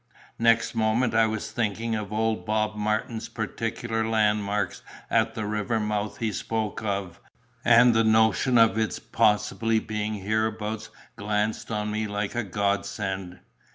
"Next moment I was thinking of old Bob Martin's particular landmarks at the river mouth he spoke of, and the notion of its possibly being hereabouts glanced on me like a godsend.